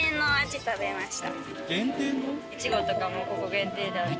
いちごとかもここ限定であって。